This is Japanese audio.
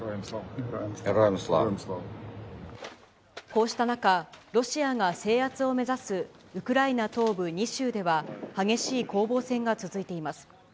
こうした中、ロシアが制圧を目指すウクライナ東部２州では、激しい攻防戦が続いています。